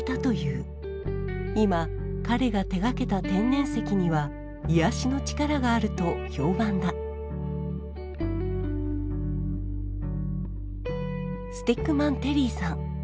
今彼が手がけた天然石には癒やしの力があると評判だスティックマン・テリーさん。